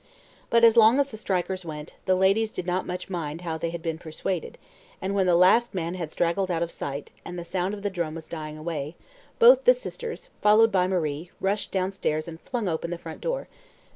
But as long as the strikers went, the ladies did not much mind how they had been persuaded, and when the last man had straggled out of sight, and the sound of the drum was dying away, both the sisters, followed by Marie, rushed downstairs and flung open the front door.